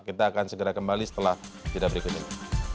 kita akan segera kembali setelah jeda berikut ini